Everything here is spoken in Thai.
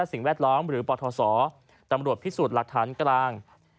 สิ่งแวดล้อมหรือปทศตำรวจพิสูจน์หลักฐานกลาง